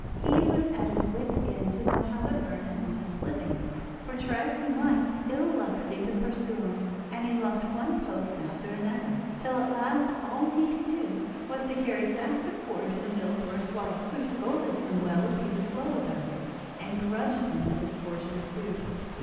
He was at his wits' end to know how to earn an honest living, for try as he might ill luck seemed to pursue him, and he lost one post after another, till at last all he could do was to carry sacks of corn to the mill for his wife, who scolded him well if he was slow about it, and grudged him his portion of food.